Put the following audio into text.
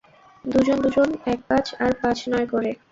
দুজন দুজন, এক-পাঁচ আর পাঁচ-নয় করে।